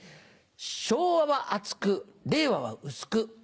「昭和は厚く令和は薄く」。